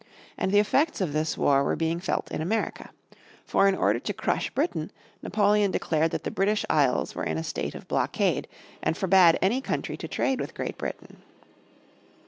And the effects of this war were being felt in America. For in order to crush Britain Napoleon declared that the British Isles were in a state of blockade, and forbade any country to trade with Great Britain.